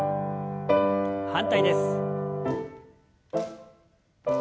反対です。